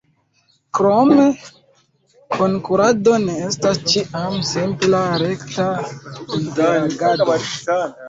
Krome, konkurado ne estas ĉiam simpla, rekta, interagado.